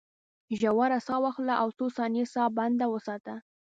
ژوره ساه واخله او څو ثانیې ساه بنده وساته.